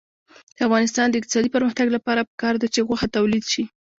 د افغانستان د اقتصادي پرمختګ لپاره پکار ده چې غوښه تولید شي.